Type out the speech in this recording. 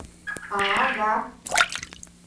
— А-а-га...